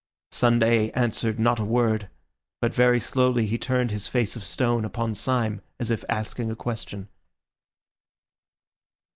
Sunday answered not a word, but very slowly he turned his face of stone upon Syme as if asking a question.